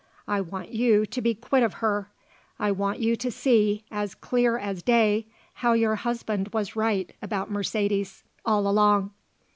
I want you to be quit of her. I want you to see, as clear as day, how your husband was right about Mercedes, all along."